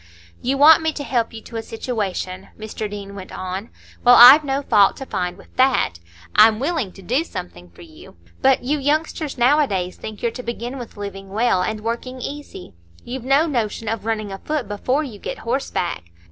"You want me to help you to a situation," Mr Deane went on; "well, I've no fault to find with that. I'm willing to do something for you. But you youngsters nowadays think you're to begin with living well and working easy; you've no notion of running afoot before you get horseback.